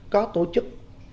có tổ chức